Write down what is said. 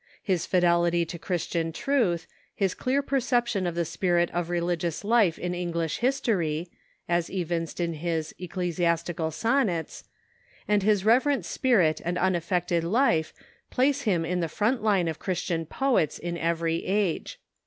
His fidelity to Christian truth, his clear perception of the spirit of relig ious life in English history (as evinced in his "Ecclesiastical Sonnets"), and his reverent spirit and unaffected life place him in the front line of Christian poets , in every age.